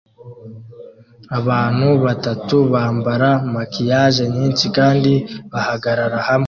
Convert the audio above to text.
Abantu batatu bambara maquillage nyinshi kandi bahagarara hamwe